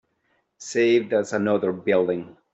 Saved us another building.